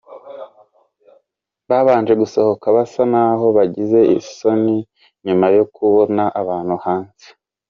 Babanje gusohOka basa naho bagize isoni nyuma yo kubona abantu hanze.